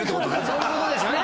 そういうことですよね？